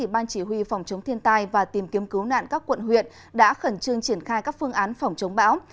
ban chỉ huy phòng chống thiên tai và tìm kiếm cứu nạn các quận huyện đã khẩn trương triển khai các phương án phòng chống bão